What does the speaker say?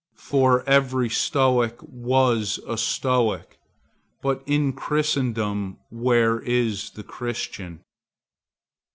For every Stoic was a Stoic; but in Christendom where is the Christian?